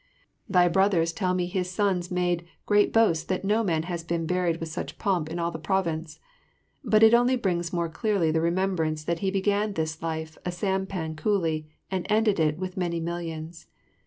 Thy brothers tell me his sons made great boast that no man has been buried with such pomp in all the province. But it only brings more clearly the remembrance that he began this life a sampan coolie and ended it with many millions.